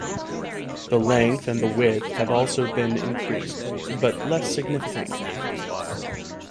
The length and the width have also been increased, but less significantly.